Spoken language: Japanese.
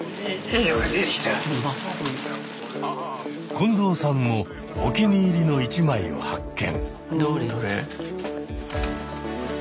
近藤さんもお気に入りの一枚を発見。